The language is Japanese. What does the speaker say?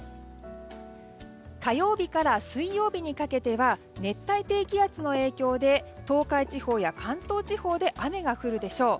火曜日から水曜日にかけては熱帯低気圧の影響で東海地方や関東地方で雨が降るでしょう。